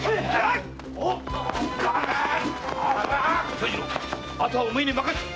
長次郎あとはお前に任せたぞ！